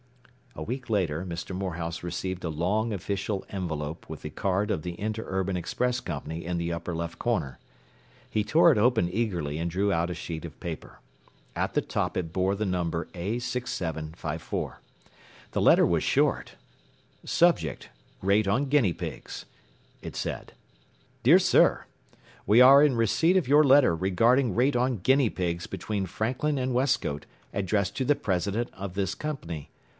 ” A week later Mr. Morehouse received a long official envelope with the card of the Interurban Express Company in the upper left corner. He tore it open eagerly and drew out a sheet of paper. At the top it bore the number A6754. The letter was short. “Subject Rate on guinea pigs,” it said, “Dr. Sir We are in receipt of your letter regarding rate on guinea pigs between Franklin and Westcote addressed to the president of this company.